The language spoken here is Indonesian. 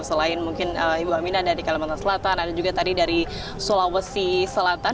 selain mungkin ibu amina dari kalimantan selatan ada juga tadi dari sulawesi selatan